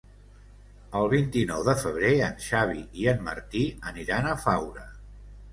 El vint-i-nou de febrer en Xavi i en Martí aniran a Faura.